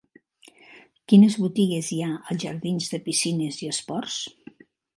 Quines botigues hi ha als jardins de Piscines i Esports?